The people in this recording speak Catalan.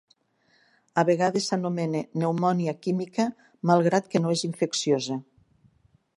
A vegades s'anomena "pneumònia química", malgrat que no és infecciosa.